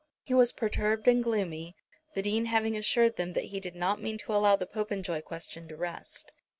He was perturbed and gloomy, the Dean having assured them that he did not mean to allow the Popenjoy question to rest.